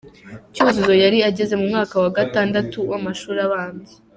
Cyuzuzo yari ageze mu mwaka wa gatandatu w’amashuri abanza.